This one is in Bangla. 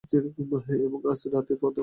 এবং আজ রাতেই হতে পারে।